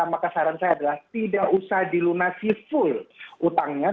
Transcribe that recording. maka saran saya adalah tidak usah dilunasi full utangnya